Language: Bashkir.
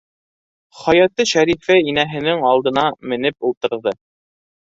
Хаяты Шәрифә инәһенең алдына менеп ултырҙы.